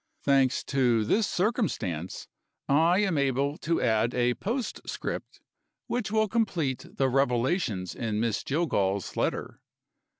Thanks to this circumstance, I am able to add a postscript which will complete the revelations in Miss Jillgall's letter.